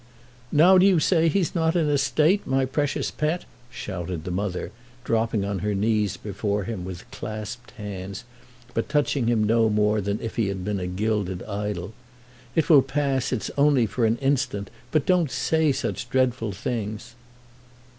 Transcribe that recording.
"Now do you say he's not in a state, my precious pet?" shouted his mother, dropping on her knees before him with clasped hands, but touching him no more than if he had been a gilded idol. "It will pass—it's only for an instant; but don't say such dreadful things!"